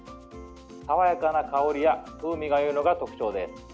爽やかな香りや風味がよいのが特徴です。